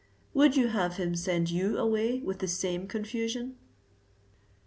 Would you have him send you away with the same confusion?